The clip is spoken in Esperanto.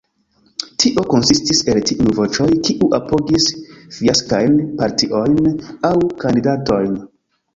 Tio konsistis el tiuj voĉoj, kiuj apogis fiaskajn partiojn, aŭ kandidatojn.